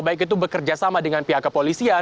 baik itu bekerjasama dengan pihak kepala